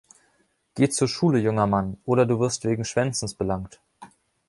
Geh zur Schule, junger Mann, oder du wirst wegen Schwänzens belangt!